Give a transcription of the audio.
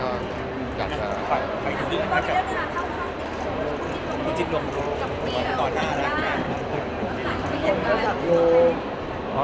ก็กลับมานะครับ